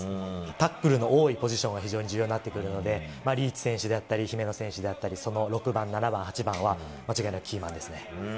タックルの多いポジションが、非常に重要になってくるので、リーチ選手であったり、姫野選手であったり、その６番、７番、８番は、間違いなくキーマンですね。